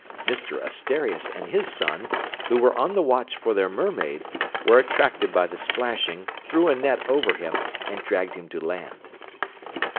Mr Asterias and his son, who were on the watch for their mermaid, were attracted by the splashing, threw a net over him, and dragged him to land.